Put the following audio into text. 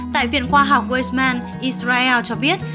tại viện khoa học weizmann israel cho biết